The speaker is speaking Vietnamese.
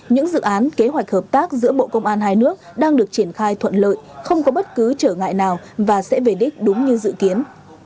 những dự án kế hoạch hợp tác giữa bộ công an hai nước đang được triển khai thuận lợi không có bất cứ trở ngại nào và sẽ về đích đúng như dự kiến